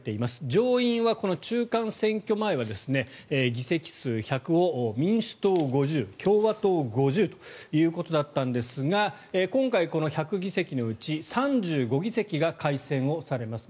上院は、この中間選挙前は議席数１００を民主党５０、共和党５０ということだったんですが今回、この１００議席のうち３５議席が改選をされます。